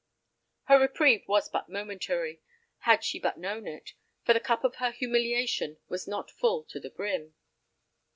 Her reprieve was but momentary, had she but known it, for the cup of her humiliation was not full to the brim.